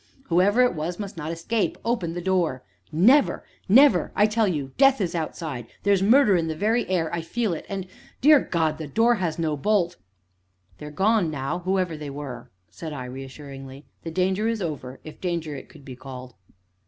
"Whoever it was must not escape open the door!" "Never! never I tell you death is outside there's murder in the very air; I feel it and dear God the door has no bolt." "They are gone now whoever they were," said I reassuringly; "the danger is over if danger it could be called."